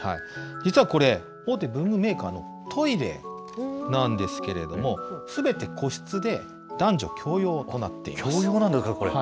実はこれ、大手文具メーカーのトイレなんですけれども、すべて個室で、男女共用となっています。